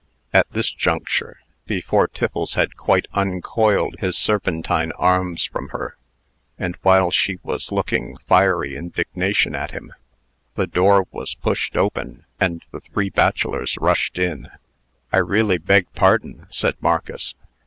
At this juncture, before Tiffles had quite uncoiled his serpentine arms from her, and while she was looking fiery indignation at him, the door was pushed open, and the three bachelors rushed in. "I really beg pardon," said Marcus.